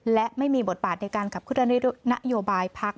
และไม่มีบทบาทในการขับขึ้นในนโยบายภาค